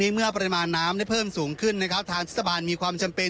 เมื่อปริมาณน้ำได้เพิ่มสูงขึ้นนะครับทางเทศบาลมีความจำเป็น